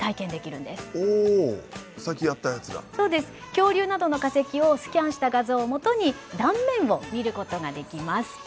恐竜などの化石をスキャンした画像をもとに断面を見ることができます。